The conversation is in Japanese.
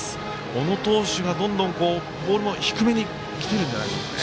小野投手がどんどんボール、低めにきているんじゃないですかね。